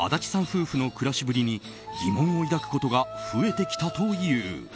夫婦の暮らしぶりに疑問を抱くことが増えてきたという。